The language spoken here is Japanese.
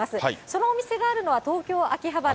そのお店があるのは、東京・秋葉原。